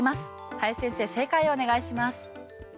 林先生、正解をお願いします。